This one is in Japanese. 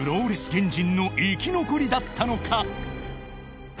原人の生き残りだったのか？